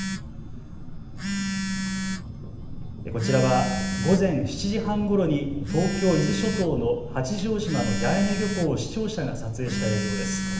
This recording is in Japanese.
こちらは午前７時半ごろに東京伊豆諸島の八丈島の八重根漁港を視聴者が撮影した映像です。